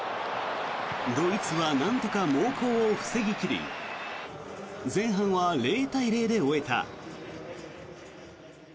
ドイツはなんとか猛攻を防ぎ切り前半は０対０で終えた。